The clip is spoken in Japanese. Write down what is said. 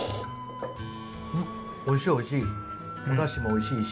おいしいおいしいおだしもおいしいし。